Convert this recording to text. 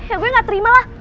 ya gue gak terima lah